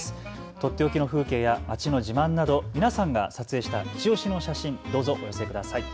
とっておきの風景や街の自慢など皆さんが撮影したいちオシの写真をどうぞお寄せください。